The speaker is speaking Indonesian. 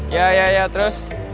ya ya ya terus